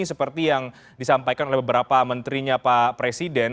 seperti yang disampaikan oleh beberapa menterinya pak presiden